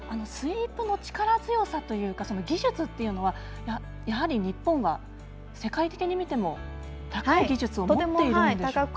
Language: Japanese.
スイープの力強さというか技術というのは、やはり日本は世界的に見ても、高い技術を持っているんでしょうか。